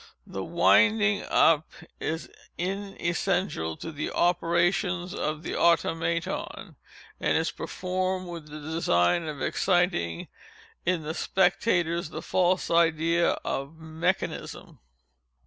The winding up is inessential to the operations of the Automaton, and is performed with the design of exciting in the spectators the false idea of mechanism.